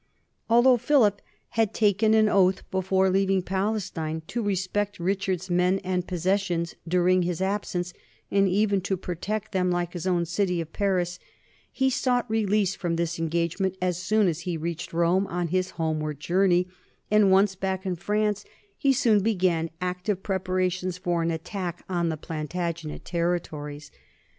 Al though Philip had taken an oath before leaving Pales tine to respect Richard's men and possessions during his absence, and even to protect them like his own city of Paris, he sought release from this engagement as soon as he reached Rome on his homeward journey, and once back in France he soon began active preparations for an attack on the Plantagenet territories.